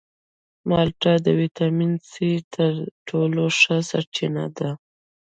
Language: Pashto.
مالټه د ویټامین سي تر ټولو ښه سرچینه ده.